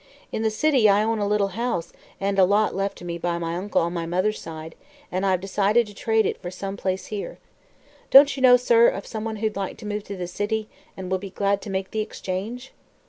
In the city I own a little house and lot left to me by my uncle on my mother's side, and I've decided to trade it for some place here. Don't you know, sir, of someone who'd like to move to the city, and will be glad to make the exchange?"